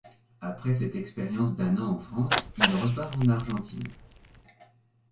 Après cette expérience d'un an en France, il repart en Argentine.